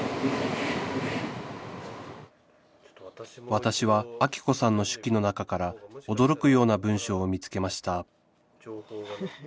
私はアキ子さんの手記の中から驚くような文章を見つけました